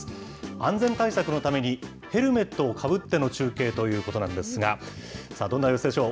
安全対策のために、ヘルメットをかぶっての中継ということなんですが、さあ、どんな様子でしょう。